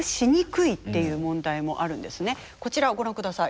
こちらをご覧ください。